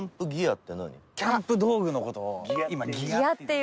キャンプ道具の事を今ギアって言うんです。